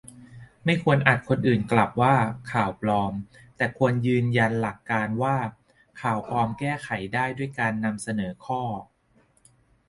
ไม่ควรอัดคนอื่นกลับว่า "ข่าวปลอม" แต่ควรยืนยันหลักการว่า ข่าวปลอมแก้ไขได้ด้วยการนำเสนอข้อ